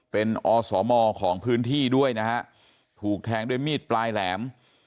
เป็นอสมของพื้นที่ด้วยนะฮะถูกแทงด้วยมีดปลายแหลม